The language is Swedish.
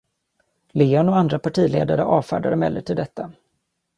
Leon och andra partiledare avfärdade emellertid detta.